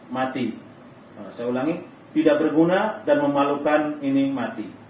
mati saya ulangi tidak berguna dan memalukan ini mati